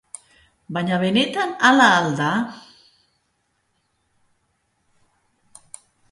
Baina benetan hala al da?